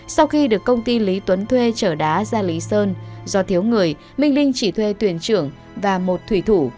sau khi được công ty lý tuấn thuê trở đá ra lý sơn do thiếu người minh linh chỉ thuê tuyển trưởng và một thủy thủ